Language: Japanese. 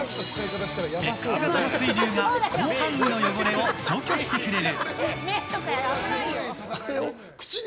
Ｘ型の水流が広範囲の汚れを除去してくれる。